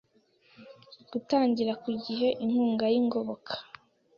Gutangira ku gihe inkunga y ingoboka